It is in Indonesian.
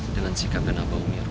dengan sikap kena bau miru